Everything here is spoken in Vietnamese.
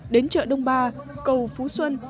đến chợ đông ba cầu phú xuân